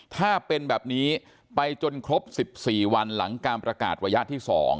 ถ้าเป็นแบบนี้ไปจนครบ๑๔วันหลังการประกาศระยะที่๒